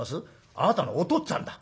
あなたのおとっつぁんだ。え？